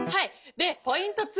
でポイント２。